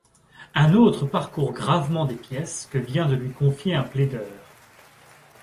Un autre parcourt gravement des pièces que vient de lui confier un plaideur.